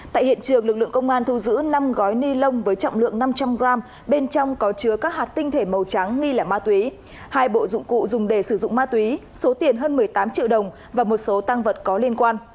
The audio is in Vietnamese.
tại hiện trường lực lượng công an thu giữ năm gói ni lông với trọng lượng năm trăm linh g bên trong có chứa các hạt tinh thể màu trắng nghi là ma túy hai bộ dụng cụ dùng để sử dụng ma túy số tiền hơn một mươi tám triệu đồng và một số tăng vật có liên quan